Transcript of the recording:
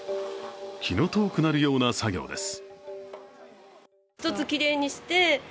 気の遠くなるような作業です。